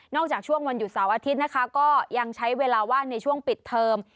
จากช่วงวันหยุดเสาร์อาทิตย์นะคะก็ยังใช้เวลาว่างในช่วงปิดเทอม